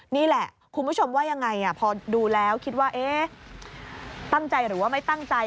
นี่แหละคุณผู้ชมว่ายังไงพอดูแล้วคิดว่าเอ๊ะตั้งใจหรือว่าไม่ตั้งใจ